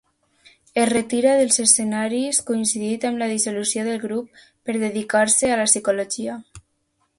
Es retira dels escenaris coincidint amb la dissolució del grup per dedicar-se a la psicologia.